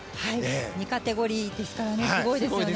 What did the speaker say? ２カテゴリーですからすごいですよね。